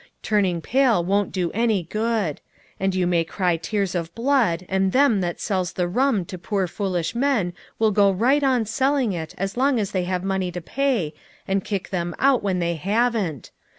Turning pale won't do any good. And you may cry tears of blood, and them that sells the rum to poor foolish men will go right on selling it as long as they have money to pay, and kick them out when they haven't.